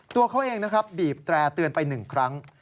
ตัวเขาเองนะครับบีบแตร่เตือนไป๑ครั้ง